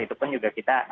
itu pun juga kita